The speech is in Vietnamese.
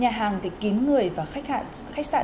hàng thì kín người và khách sạn